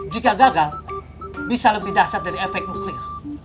jika gagal bisa lebih dasar dari efek nuklir